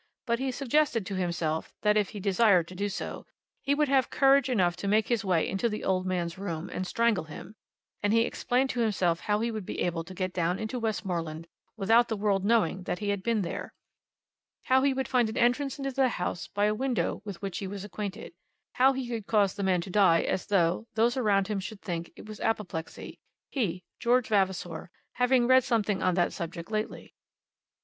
But he suggested to himself, that if he desired to do so, he would have courage enough to make his way into the old man's room, and strangle him; and he explained to himself how he would be able to get down into Westmoreland without the world knowing that he had been there, how he would find an entrance into the house by a window with which he was acquainted, how he could cause the man to die as though, those around him should think, it was apoplexy, he, George Vavasor, having read something on that subject lately.